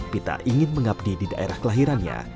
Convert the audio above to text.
pita ingin mengabdi di daerah kelahirannya